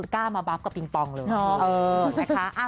กล้ามาบับกับปิงปองเลยนะคะ